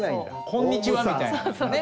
「こんにちは」みたいなね。